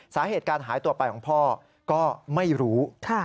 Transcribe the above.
สาเหตุการหายตัวไปของพ่อก็ไม่รู้